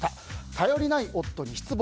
頼りない夫に失望。